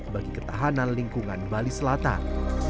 bagi ketahanan lingkungan bali selatan